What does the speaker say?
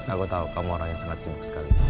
aku tahu kamu orang yang sangat sibuk sekali